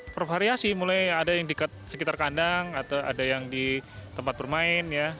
bervariasi mulai ada yang di sekitar kandang atau ada yang di tempat bermain ya